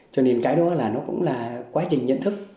cho nên cái đó là nó cũng là quá trình nhận thức